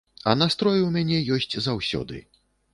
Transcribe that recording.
А настрой у мяне ёсць заўсёды.